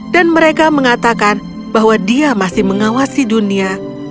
dan mereka mengatakan bahwa dia masih mengawasi dunia